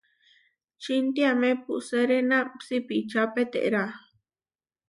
Čintiame puʼseréna sipiča peterá.